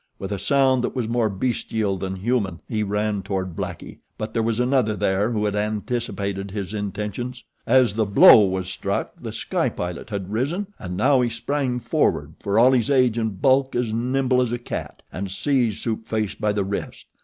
With a sound that was more bestial than human he ran toward Blackie; but there was another there who had anticipated his intentions. As the blow was struck The Sky Pilot had risen; and now he sprang forward, for all his age and bulk as nimble as a cat, and seized Soup Face by the wrist.